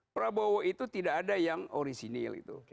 prabowo itu tidak ada yang orisinil itu